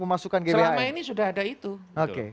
memasukkan selama ini sudah ada itu oke